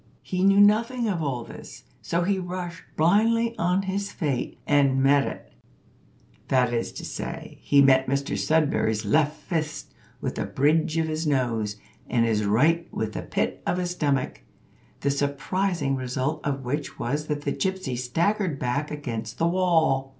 He knew nothing of all this, so he rushed blindly on his fate, and met it that is to say, he met Mr Sudberry's left fist with the bridge of his nose, and his right with the pit of his stomach; the surprising result of which was that the gypsy staggered back against the wall.